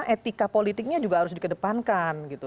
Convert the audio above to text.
etika politiknya juga harus dikedepankan gitu